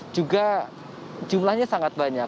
juga jumlahnya sangat banyak